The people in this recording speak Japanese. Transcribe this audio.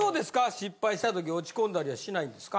失敗した時落ち込んだりはしないんですか？